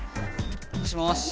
もしもし。